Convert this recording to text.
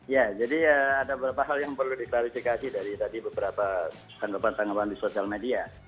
ya jadi ada beberapa hal yang perlu diklarifikasi dari tadi beberapa tanggapan tanggapan di sosial media